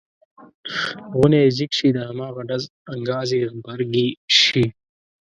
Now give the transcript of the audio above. غونی یې ځیږ شي د هماغه ډز انګاز یې غبرګې شي.